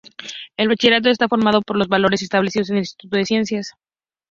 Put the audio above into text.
El bachillerato está formado con las valores establecidos por el Instituto de Ciencias.